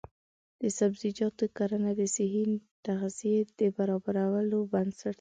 د سبزیجاتو کرنه د صحي تغذیې د برابرولو بنسټ دی.